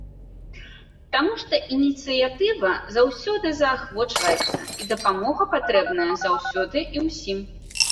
Таму што ініцыятыва заўсёды заахвочваецца і дапамога патрэбная заўсёды і ўсім.